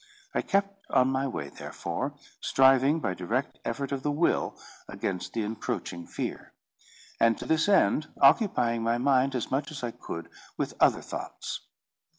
I kept on my way, therefore, striving by direct effort of the will against the encroaching fear; and to this end occupying my mind, as much as I could, with other thoughts.